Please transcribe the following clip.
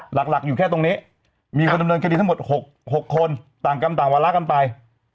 หลักอยู่แค่ตรงนี้มีคนดำเนินคดีทั้งหมด๖คนต่างกรรมต่างวาระกันไป